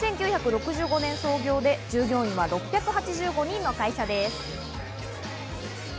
１９６５年創業で従業員は６８５人の会社です。